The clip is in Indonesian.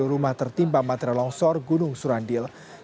tiga puluh rumah tertimpa materi longsor gunung surandi